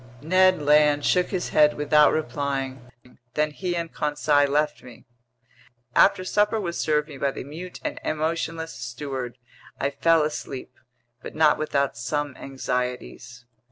Ned Land shook his head without replying; then he and Conseil left me. After supper was served me by the mute and emotionless steward, I fell asleep; but not without some anxieties.